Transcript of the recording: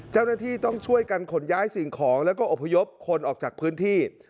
เจ้าหน้าที่ต้องช่วยกันขนย้ายสิ่งของแล้วก็อพยพคนออกจากพื้นที่